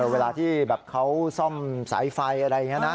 เวลาที่แบบเขาซ่อมสายไฟอะไรอย่างนี้นะ